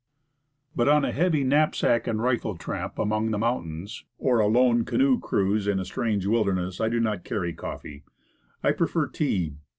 But, on a heavy knapsack and rifle tramp among the mountains, or a lone canoe cruise in a strange wilderness, I do not carry coffee. I prefer tea.